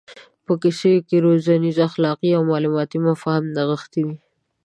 په کیسو کې روزنیز اخلاقي او معلوماتي مفاهیم نغښتي وي.